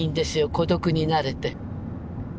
孤独になれて。